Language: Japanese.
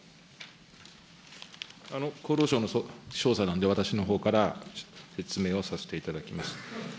厚労省の調査なんで、私のほうから説明をさせていただきます。